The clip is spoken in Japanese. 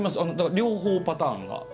両方パターンが。